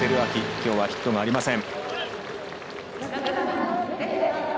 きょうはヒットがありません。